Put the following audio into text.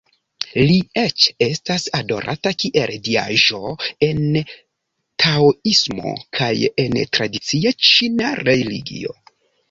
Li eĉ estas adorata kiel diaĵo en taoismo kaj en tradicia ĉina religio.